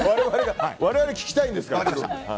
我々聞きたいんですから。